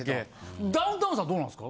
ダウンタウンさんどうなんですか